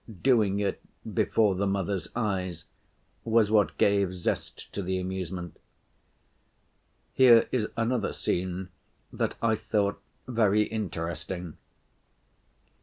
Doing it before the mothers' eyes was what gave zest to the amusement. Here is another scene that I thought very interesting.